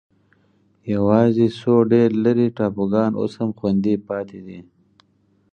یوازې څو ډېر لرې ټاپوګان اوس هم خوندي پاتې دي.